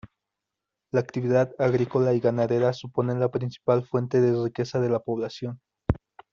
La actividad agrícola y ganadera suponen la principal fuente de riqueza de la población.